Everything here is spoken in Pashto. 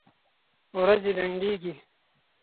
ورځي لنډيږي